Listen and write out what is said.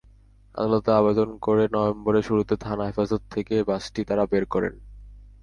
আদালতে আবেদন করে নভেম্বরের শুরুতে থানা হেফাজত থেকে বাসটি তাঁরা বের করেন।